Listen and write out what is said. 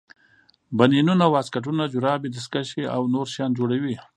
بنینونه واسکټونه جورابې دستکشې او نور شیان جوړوي.